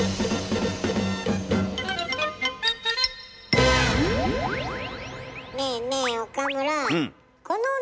ねえねえ岡村。